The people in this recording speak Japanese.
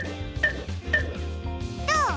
どう？